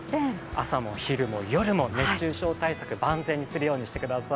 朝も昼も夜も熱中症対策、万全にするようにしてください。